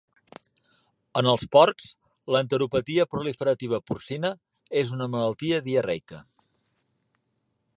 En els porcs, l'enteropatia proliferativa porcina és una malaltia diarreica.